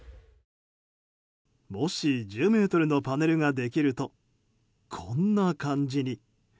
もし１０ｍのパネルができるとこんな感じに。